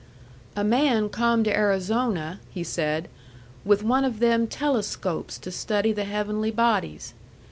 "A man come to Arizona," he said, "with one of them telescopes to study the heavenly bodies.